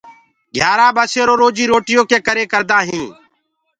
گھيآرآ ٻسيرو روجي روٽيو ڪي ڪري هينٚ۔